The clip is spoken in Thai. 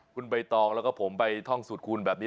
คุณใบตองแล้วก็ผมไปท่องสูตรคูณแบบนี้